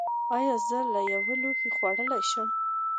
ایا زه له یو لوښي خوړلی شم؟